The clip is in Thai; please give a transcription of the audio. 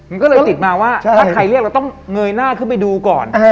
มันก็เลยติดมาว่าถ้าใครเรียกเราต้องเงยหน้าขึ้นไปดูก่อน